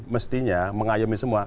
mestinya mengayomi semua